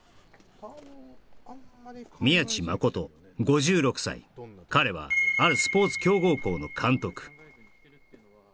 ここここ宮地真５６歳彼はあるスポーツ強豪校の監督